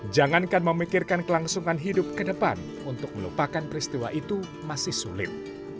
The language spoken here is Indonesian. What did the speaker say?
jangankan memikirkan kelangsungan hidup ke depan untuk melupakan peristiwa itu masih sulit